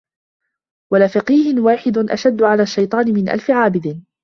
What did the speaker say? وَلَفَقِيهٌ وَاحِدٌ أَشَدُّ عَلَى الشَّيْطَانِ مِنْ أَلْفِ عَابِدٍ